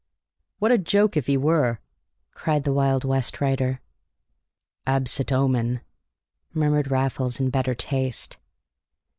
"What a joke if he were!" cried the Wild West writer. "Absit omen!" murmured Raffles, in better taste.